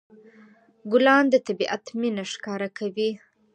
ګلان د طبيعت مینه ښکاره کوي.